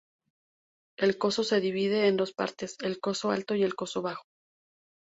El Coso se divide en dos partes: el Coso Alto y el Coso Bajo.